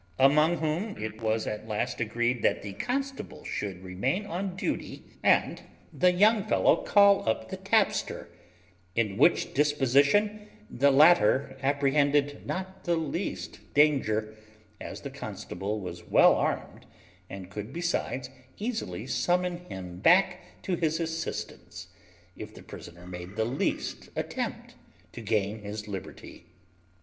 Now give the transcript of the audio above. Among whom it was at last agreed that the constable should remain on duty, and the young fellow call up the tapster; in which disposition the latter apprehended not the least danger, as the constable was well armed, and could besides easily summon him back to his assistance, if the prisoner made the least attempt to gain his liberty.